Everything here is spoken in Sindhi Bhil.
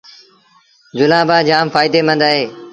جُلآݩبآݩ جآم ڦآئيٚدي مند اهي